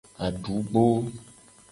Adugbo.